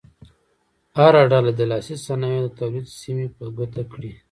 هره ډله دې د لاسي صنایعو د تولید سیمې په ګوته کړي.